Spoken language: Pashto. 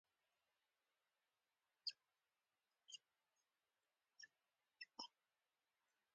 د پولې کټارو سوېلي برخه نوګالس سونورا کې د سړکونو وضعیت خراب دی.